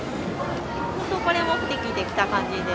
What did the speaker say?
本当、これ目的で来た感じで。